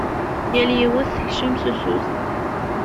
Yal yiwet tekcem s usu-s.